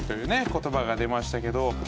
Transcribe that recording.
言葉が出ましたけど。